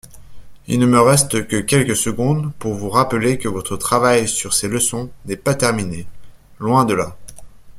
Il ne me reste que quelques secondes pour vous rappeler que votre travail sur ces leçons n’est pas terminé, loin de là.